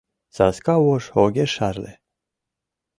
Саска вож огеш шарле.